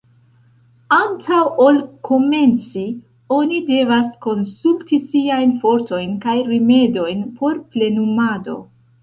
Antaŭ ol komenci, oni devas konsulti siajn fortojn kaj rimedojn por plenumado.